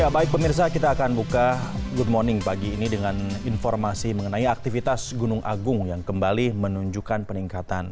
baik pemirsa kita akan buka good morning pagi ini dengan informasi mengenai aktivitas gunung agung yang kembali menunjukkan peningkatan